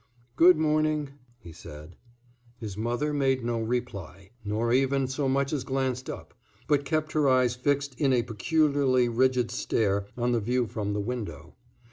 "Good morning," he said. His mother made no reply, nor even so much as glanced up, but kept her eyes fixed in a peculiarly rigid stare on the view from the window.